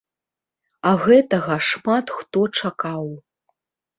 А гэтага шмат хто чакаў.